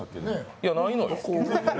いや、ないのよ。